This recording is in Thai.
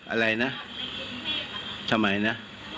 อะไรนะทำไมนะ